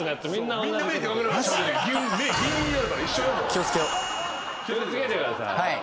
気を付けてください。